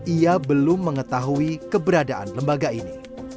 ia belum mengetahui keberadaan lembaga ini